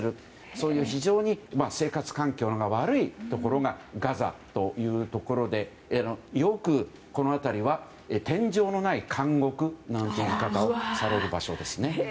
そういう非常に生活環境が悪いところがガザというところでよくこの辺りは天井のない監獄という言い方をされる場所ですね。